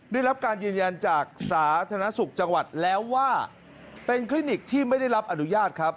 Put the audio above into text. ได้รับการยืนยันจากสาธารณสุขจังหวัดแล้วว่าเป็นคลินิกที่ไม่ได้รับอนุญาตครับ